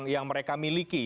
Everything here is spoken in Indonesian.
yang mereka miliki